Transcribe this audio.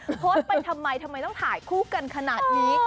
โพสต์ไปทำไมทำไมต้องถ่ายคู่กันขนาดนี้